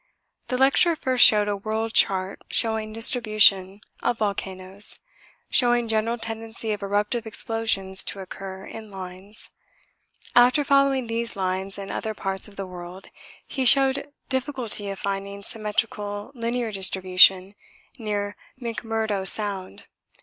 The lecturer first showed a world chart showing distribution of volcanoes, showing general tendency of eruptive explosions to occur in lines. After following these lines in other parts of the world he showed difficulty of finding symmetrical linear distribution near McMurdo Sound.